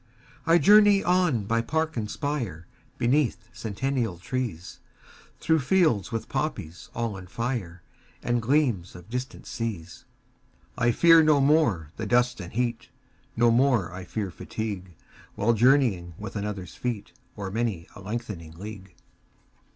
20 I journey on by park and spire, Beneath centennial trees, Through fields with poppies all on fire, And gleams of distant seas. I fear no more the dust and heat, 25 No more I fear fatigue, While journeying with another's feet O'er many a lengthening league.